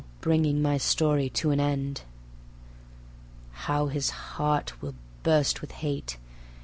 .. and so Bring my story to an end. How his heart will burst with hate!